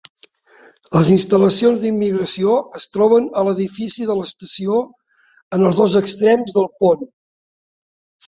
Les instal·lacions d'immigració es troben a l'edifici de l'estació en els dos extrems del pont.